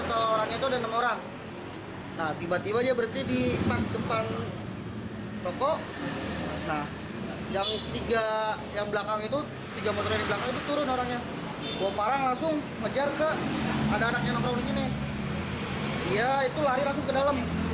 ada anaknya nongkrong ini nih dia itu lari langsung ke dalam